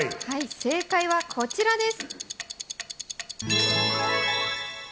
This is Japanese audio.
正解はこちらです。